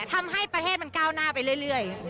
ทำให้ประเทศมันก้าวหน้าไปเรื่อย